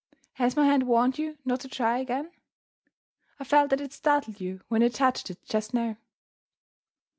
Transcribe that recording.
"Has my hand warned you not to try again? I felt that it startled you when you touched it just now."